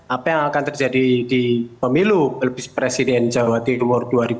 apa yang akan terjadi di pemilu presiden jawa timur dua ribu dua puluh